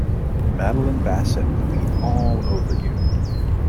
Madeline Bassett will be all over you.